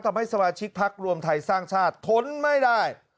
ทำให้สมาชิกพักรวมไทยสร้างชาติทนไม่ได้